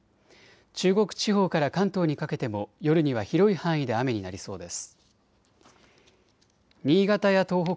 中国地方から関東にかけても夜には広い範囲で雨になりそうです。